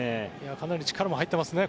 かなり力も入ってますね。